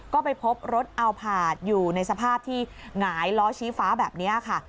ก็ไปพบรถอัลพาร์ทอยู่ในสภาพที่หงายล้อชี้ฟ้าแบบนี้ค่ะ